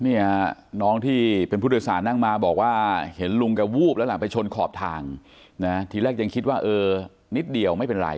เนี่ยน้องที่เป็นผู้โดยสารนั่งมาบอกว่าเห็นลุงแกวูบแล้วล่ะไปชนขอบทางนะทีแรกยังคิดว่าเออนิดเดียวไม่เป็นไร